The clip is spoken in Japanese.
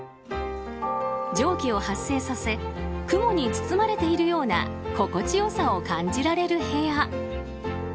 蒸気を発生させ雲に包まれているような心地よさを感じられる部屋。